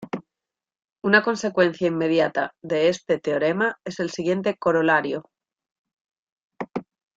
Una consecuencia inmediata de este teorema es el siguiente corolario.